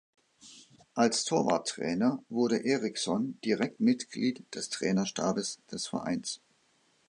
Als Torwarttrainer wurde Eriksson direkt Mitglied des Trainerstabes des Vereins.